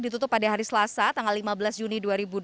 ditutup pada hari selasa tanggal lima belas juni dua ribu dua puluh